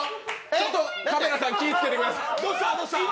ちょっとカメラさん気をつけてください。